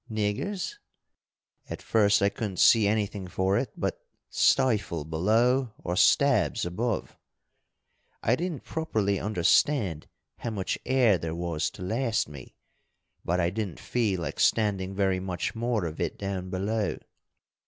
Niggers? At first I couldn't see anything for it but Stifle below or Stabs above. I didn't properly understand how much air there was to last me, but I didn't feel like standing very much more of it down below.